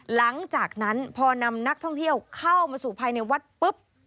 หลังจากนั้นพอนำนักท่องเที่ยวเข้ามาสู่ภายในวัดปุ๊บ